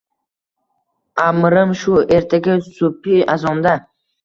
Amrim shu: ertaga subhi azonda